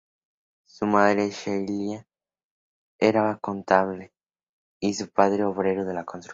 Su madre, Sheila, era contable y su padre, obrero de la construcción.